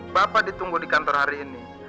bapak ditunggu di kantor hari ini